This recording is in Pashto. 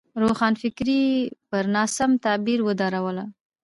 روښانفکري یې پر ناسم تعبیر ودروله.